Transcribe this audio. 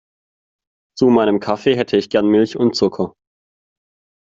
Zu meinem Kaffee hätte ich gern Milch und Zucker.